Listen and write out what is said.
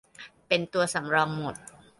เป็นตัวสำรองหมด